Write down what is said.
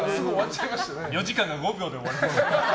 ４時間が５秒で終わった。